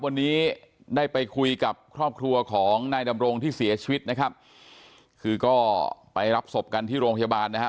วันนี้ได้ไปคุยกับครอบครัวของนายดำรงที่เสียชีวิตนะครับคือก็ไปรับศพกันที่โรงพยาบาลนะฮะ